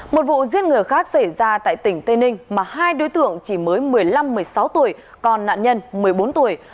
một vụ giết người khác xảy ra tại tỉnh tây ninh mà hai đối tượng chỉ mới một mươi năm một mươi sáu tuổi còn nạn nhân một mươi bốn tuổi